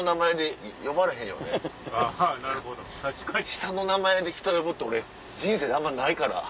下の名前で人呼ぶって俺人生であんまないから。